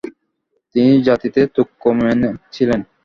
তিনি জাতিতে তুর্কমেন ছিলেন।